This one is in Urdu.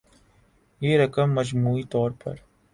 یہ رقم مجموعی طور پر